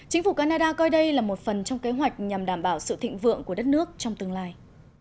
chính phủ canada coi đây là một phần trong kế hoạch nhằm đảm bảo sự thịnh vượng của đất nước trong tương lai